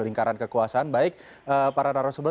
lingkaran kekuasaan baik para narasumber